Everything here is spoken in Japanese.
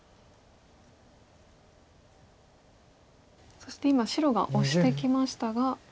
そして今白がオシてきましたが。